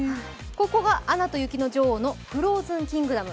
ここが「アナと雪の女王」のフローズンキングダム。